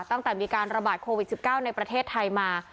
ตั้งแต่มีการระบาดโควิด๑๙ในประเทศไทยมา